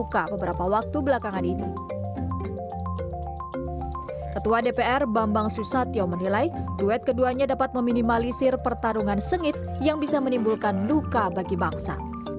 ketua dpr bambang susatyo menilai duet keduanya dapat meminimalisir pertarungan sengit yang bisa menimbulkan luka bagi bangsa